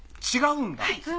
違うんだ。